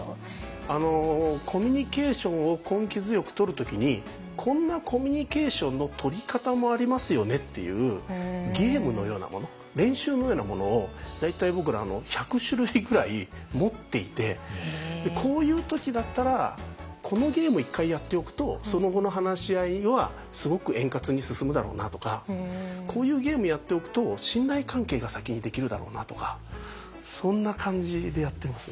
コミュニケーションを根気強くとる時にこんなコミュニケーションのとり方もありますよねっていうゲームのようなもの練習のようなものを大体僕ら１００種類ぐらい持っていてこういう時だったらこのゲーム一回やっておくとその後の話し合いはすごく円滑に進むだろうなとかこういうゲームやっておくと信頼関係が先にできるだろうなとかそんな感じでやってますね。